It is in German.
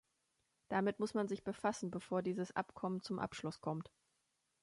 Damit muss man sich befassen, bevor dieses Abkommen zum Abschluss kommt.